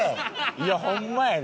いやホンマやで。